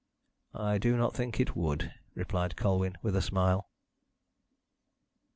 "I do not think it would," replied Colwyn with a smile.